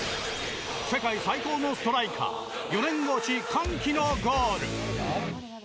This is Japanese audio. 世界最高のストライカー４年越し、歓喜のゴール。